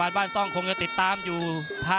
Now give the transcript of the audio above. นักมวยจอมคำหวังเว่เลยนะครับ